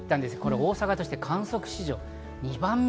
大阪として観測史上２番目。